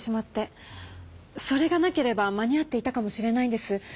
それがなければ間に合っていたかもしれないんです。